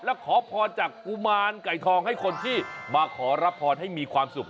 และขอพรจากกุมารไก่ทองให้คนที่มาขอรับพรให้มีความสุข